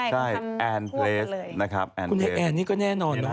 ใช่แอนเพลสคุณแอนนี่ก็แน่นอนนะ